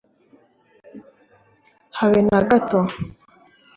habe na gato.